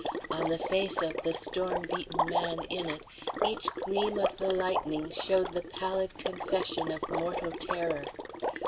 On the face of the storm beaten man in it each gleam of the lightning showed the pallid confession of mortal terror.